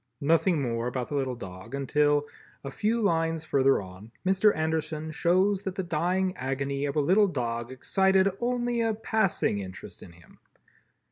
Nothing more about the little dog until, a few lines further on, Mr. Anderson shows that the dying agony of a little dog excited only a passing interest in him.